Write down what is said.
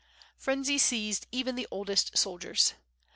Frenzy seized even the oldest soldiers.